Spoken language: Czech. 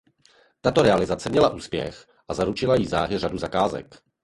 Tato realizace měla úspěch a zaručila jí záhy řadu zakázek.